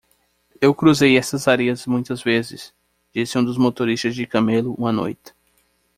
"Eu cruzei estas areias muitas vezes?" disse um dos motoristas de camelo uma noite.